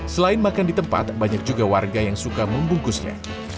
selain makan di tempat banyak juga warga yang suka membungkusnya